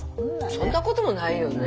そんなこともないよね。